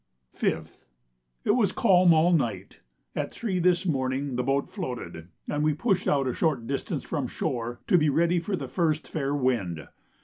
5th. It was calm all night. At 3 this morning the boat floated, and we pushed out a short distance from shore to be ready for the first fair wind.